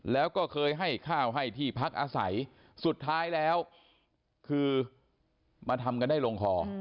แล้วก็เคยให้ข้าวให้ที่พักอาศัยสุดท้ายแล้วคือมาทำกันได้ลงคอ